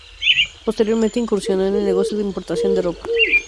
Posteriormente, incursionó en el negocio de importación de ropa.